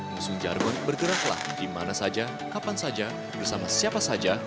musuh jargon bergeraklah dimana saja kapan saja bersama siapa saja